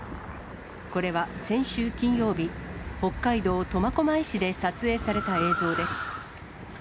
これは先週金曜日、北海道苫小牧市で撮影された映像です。